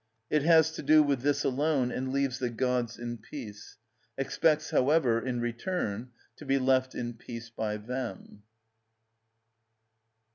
It has to do with this alone, and leaves the gods in peace—expects, however, in return, to be left in peace by them.